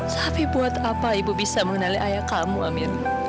tapi buat apa ibu bisa mengenali ayah kamu amira